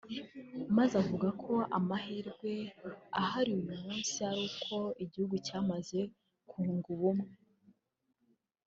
Maze avuga ko amahirwe ahari uyu munsi ari uko igihugu cyamaze kunga ubumwe